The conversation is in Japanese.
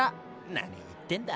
何言ってんだ。